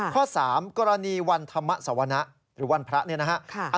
ข้อสามกรณีวันธรรมสวนะหรือวันพระนี่นะครับ